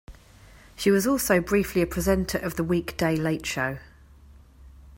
She was also briefly a presenter of the weekday late show.